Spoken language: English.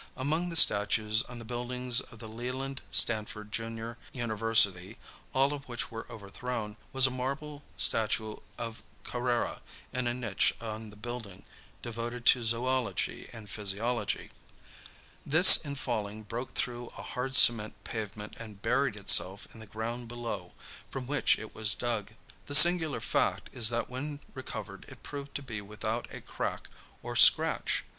Among the statues on the buildings of the Leland Stanford, Jr., University, all of which were overthrown, was a marble statue of Carrara in a niche on the building devoted to zoology and physiology. This in falling broke through a hard cement pavement and buried itself in the ground below, from which it was dug. The singular fact is that when recovered it proved to be without a crack or scratch.